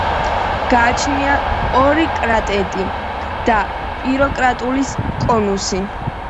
გააჩნია ორი კრატერი და პიროკლასტური კონუსი.